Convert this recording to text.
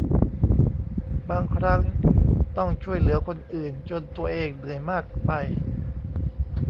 บางครั้งต้องช่วยเหลือคนอื่นจนตัวเองเหนื่อยมากไป